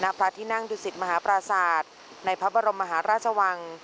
พระที่นั่งดุสิตมหาปราศาสตร์ในพระบรมมหาราชวัง